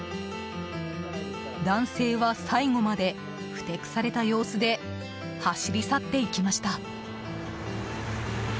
男性は最後までふてくされた様子で走り去っていきました。